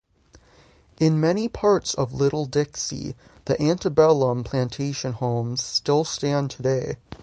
In many parts of Little Dixie, the antebellum plantation homes still stand today.